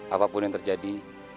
apapun yang terjadi